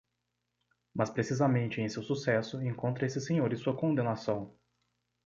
Mas precisamente em seu sucesso, encontra esses senhores sua condenação.